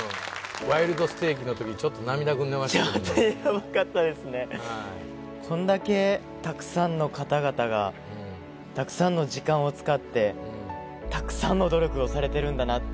ワイルドステーキのときちょっとこんだけたくさんの方々がたくさんの時間を使ってたくさんの努力をされてるんだなって